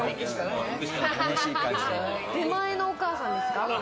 出前のお母さんですか？